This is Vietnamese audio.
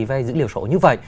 về dữ liệu số như vậy